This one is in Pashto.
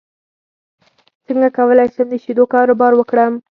څنګه کولی شم د شیدو کاروبار وکړم